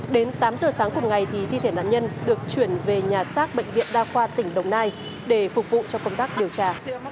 đến tám giờ sáng cùng ngày thì thi thể nạn nhân được chuyển về nhà xác bệnh viện đa khoa tỉnh đồng nai để phục vụ cho công tác điều tra